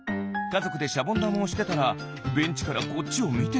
かぞくでシャボンだまをしてたらベンチからこっちをみてた。